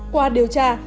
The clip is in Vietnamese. qua điều tra